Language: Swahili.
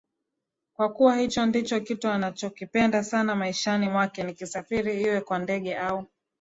kwa kuwa hicho ndicho kitu anachokipenda sana maishani mwakeNikisafiri iwe kwa ndege au